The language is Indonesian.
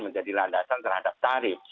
menjadi landasan terhadap tarif